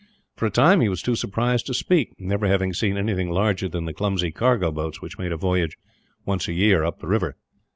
For a time he was too surprised to speak, never having seen anything larger than the clumsy cargo boats which made a voyage, once a year, up the river.